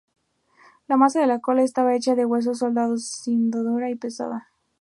La maza de la cola estaba hecha de huesos soldados, siendo dura y pesada.